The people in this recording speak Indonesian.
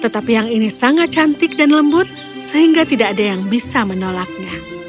tetapi yang ini sangat cantik dan lembut sehingga tidak ada yang bisa menolaknya